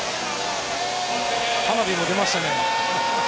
花火も出ましたね。